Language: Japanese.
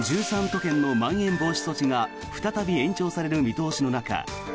都県のまん延防止措置が再び延長される見通しの中